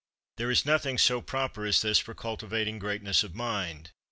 There is nothing so proper as this for cultivating greatness of mind.